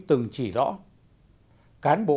từng chỉ rõ cán bộ